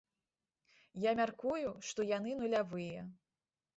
Я мяркую, што яны нулявыя.